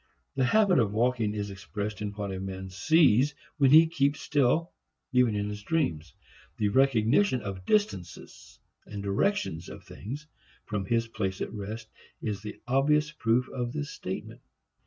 The habit of walking is expressed in what a man sees when he keeps still, even in dreams. The recognition of distances and directions of things from his place at rest is the obvious proof of this statement.